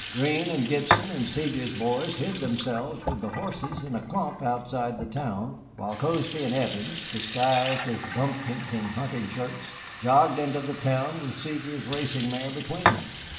Greene and Gibson and Sevier's boys hid themselves with the horses in a clump outside the town, while Cozby and Evans, disguised as bumpkins in hunting shirts, jogged into the town with Sevier's racing mare between them.